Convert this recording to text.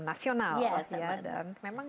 nasional ya terima kasih dan memang